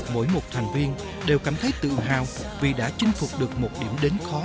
mỗi một thành viên đều cảm thấy tự hào vì đã chinh phục được một điểm đến khó